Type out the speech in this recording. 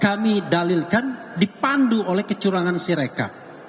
kami dalilkan dipandu oleh kecurangan sireka